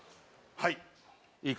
はい。